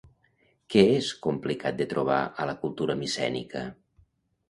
Què és complicat de trobar a la cultura micènica?